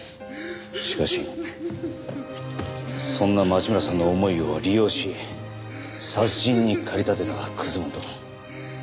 しかしそんな町村さんの思いを利用し殺人に駆り立てた本。